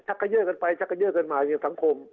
ชักกระเยือกันไปชักกระเยือกันมาอย่างเงี้ยสังคม